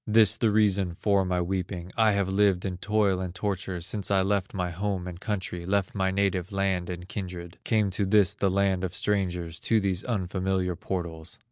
This the reason for my weeping; I have lived in toil and torture, Since I left my home and country, Left my native land and kindred, Came to this the land of strangers, To these unfamiliar portals.